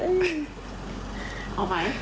เอาไหม